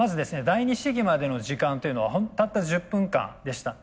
第二試技までの時間というのはたった１０分間でした。